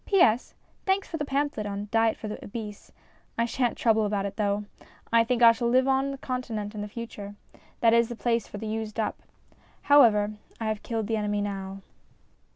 P.S. Thanks for the pamphlet on Diet for the Obese ; I shan't trouble about it though. I think I shall live on the Continent in future : that is the place for the used up. However, I have killed the enemy now.